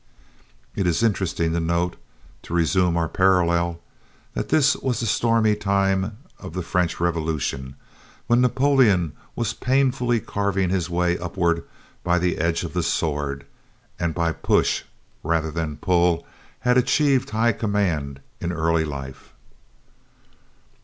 It is interesting to note to resume our parallel that this was the stormy time of the French Revolution, when Napoleon was painfully carving his way upward by the edge of the sword, and by push rather than "pull" had achieved high command in early life.